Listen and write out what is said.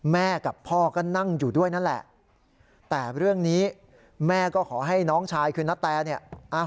แม่กับพ่อก็นั่งอยู่ด้วยนั่นแหละแต่เรื่องนี้แม่ก็ขอให้น้องชายคือนาแตเนี่ย